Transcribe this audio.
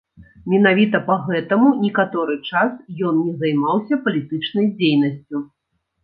Менавіта па гэтаму некаторы час ён не займаўся палітычнай дзейнасцю.